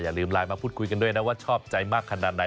ลืมไลน์มาพูดคุยกันด้วยนะว่าชอบใจมากขนาดไหน